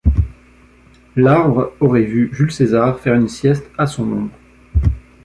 L'arbre aurait vu Jules César faire une sieste à son ombre.